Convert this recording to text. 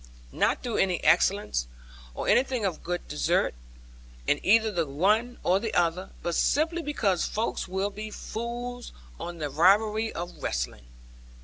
Not through any excellence, or anything of good desert, in either the one or the other, but simply because folks will be fools on the rivalry of wrestling.